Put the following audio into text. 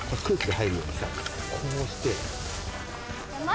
こうして。